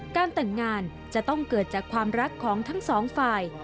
การแต่งงานจะต้องเกิดจากความรักของทั้งสองฝ่าย